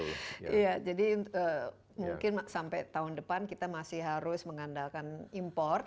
iya jadi mungkin sampai tahun depan kita masih harus mengandalkan import